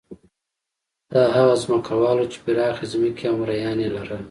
دا هغه ځمکوال وو چې پراخې ځمکې او مریان یې لرل.